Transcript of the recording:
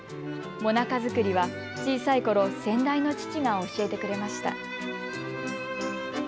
もなか作りは、小さいころ先代の父が教えてくれました。